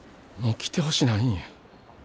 もう来てほしないんや。